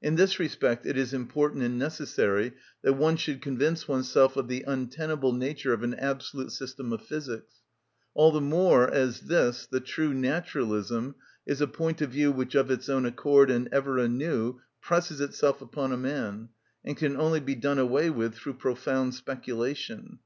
In this respect it is important and necessary that one should convince oneself of the untenable nature of an absolute system of physics, all the more as this, the true naturalism, is a point of view which of its own accord and ever anew presses itself upon a man, and can only be done away with through profound speculation.